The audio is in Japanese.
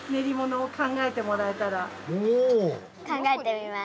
考えてみます。